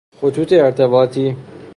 خطوط ارتباطی